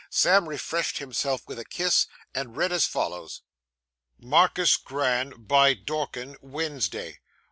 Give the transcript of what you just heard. Sam refreshed himself with a kiss, and read as follows: 'MARKIS GRAN 'By DORKEN 'Wensdy.